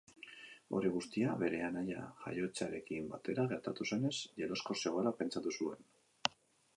Hori guztia bere anaia jaiotzearekin batera gertatu zenez, jeloskor zegoela pentsatu zuten.